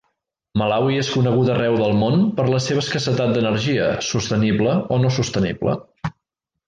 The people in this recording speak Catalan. Malawi és conegut arreu del món per la seva escassetat d'energia, sostenible o no sostenible.